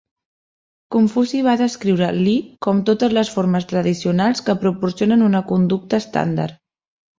Confuci va descriure "Li" com totes les formes tradicionals que proporcionen una conducta estàndard.